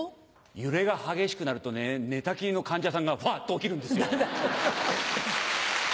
揺れが激しくなるとね寝たきりの患者さんがフワっと起きるんですよ。